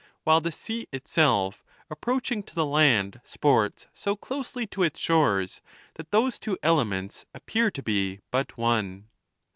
While the sea itself, approaching to the land, sports so closely to its shores tliat those two elements appear to be but one.